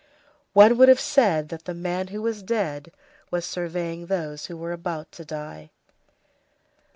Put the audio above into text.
One would have said that the man who was dead was surveying those who were about to die.